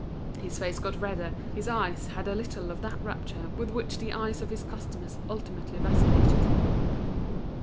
His face got redder, his eyes had a little of that rapture with which the eyes of his customers ultimately vacillated.